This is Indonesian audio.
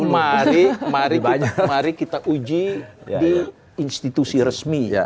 mari kita uji di institusi resmi